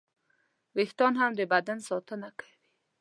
وېښتيان هم د بدن ساتنه کوي.